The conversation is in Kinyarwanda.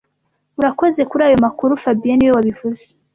Urakoze kuri ayo makuru fabien niwe wabivuze